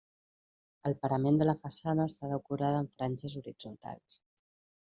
El parament de la façana està decorada amb franges horitzontals.